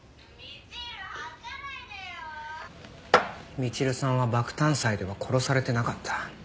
みちるさんは爆誕祭では殺されてなかった。